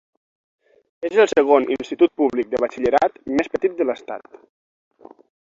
És el segon institut públic de batxillerat més petit de l'estat.